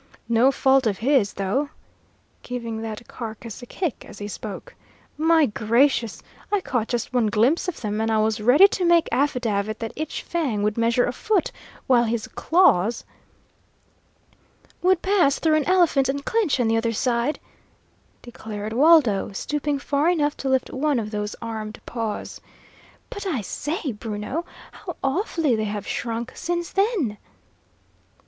"No fault of his, though!" giving that carcass a kick as he spoke. "My gracious! I caught just one glimpse of them, and I was ready to make affidavit that each fang would measure a foot, while his claws " "Would pass through an elephant and clinch on the other side," declared Waldo, stooping far enough to lift one of those armed paws. "But, I say, Bruno, how awfully they have shrunk, since then!"